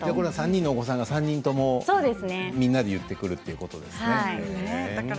３人のお子さんが３人ともみんなで言ってくるんですか。